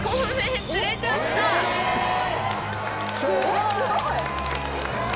えすごい！